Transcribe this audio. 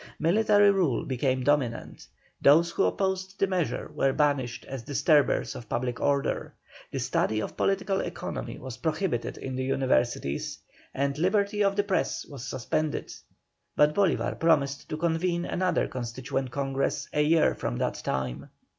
Military rule became dominant, those who opposed the measure were banished as disturbers of public order, the study of political economy was prohibited in the Universities, and liberty of the press was suspended, but Bolívar promised to convene another Constituent Congress a year from that time.